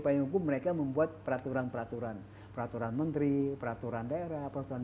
payung hukum mereka membuat peraturan peraturan peraturan menteri peraturan daerah peraturan